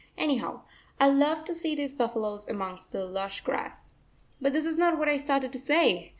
Anyhow, I love to see these buffaloes amongst the lush grass. But this is not what I started to say.